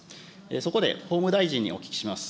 そこで法務大臣にお聞きします。